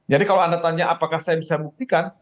jadi kalau anda tanya apakah saya bisa membuktikan